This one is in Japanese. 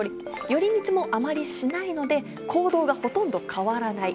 寄り道もあまりしないので行動がほとんど変わらない。